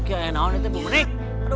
bukannya bu benik